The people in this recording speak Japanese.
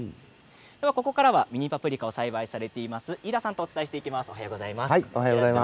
ここからはミニパプリカを栽培されている飯田さんとお伝えしていきます。